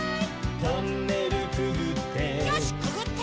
「トンネルくぐって」